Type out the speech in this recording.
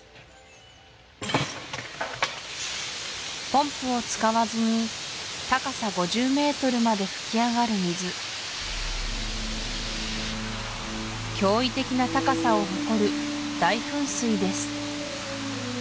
ポンプを使わずに高さ５０ｍまで噴き上がる水驚異的な高さを誇る大噴水です